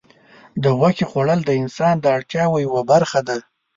د غوښې خوړل د انسان د اړتیاوو یوه برخه ده.